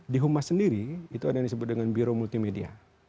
di humas sendiri itu ada yang disebut dengan biro multimedia